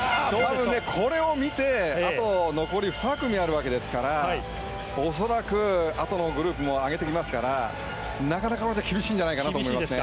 これを見て残り２組あるわけですから恐らく、あとのグループも上げてきますからなかなか厳しいんじゃないかと思いますね。